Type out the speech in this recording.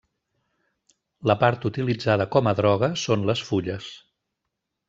La part utilitzada com a droga són les fulles.